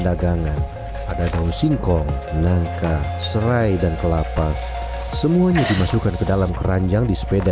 dagangan ada daun singkong nangka serai dan kelapa semuanya dimasukkan ke dalam keranjang di sepeda